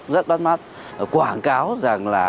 rất bắt mắt quảng cáo rằng là